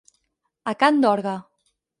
A cant d'orgue.